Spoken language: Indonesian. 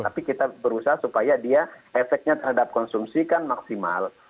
tapi kita berusaha supaya dia efeknya terhadap konsumsi kan maksimal